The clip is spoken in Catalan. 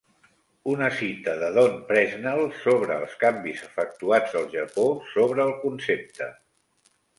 Una cita de Don Presnell sobre els canvis efectuats al Japó sobre el concepte.